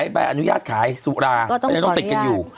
ใบอนุญาตขายสุราก็ยังต้องติดกันอยู่